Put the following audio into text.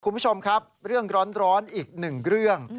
คุณผู้ชมครับเรื่องร้อนอีกหนึ่งเรื่อง